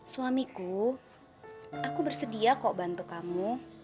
suamiku aku bersedia kok bantu kamu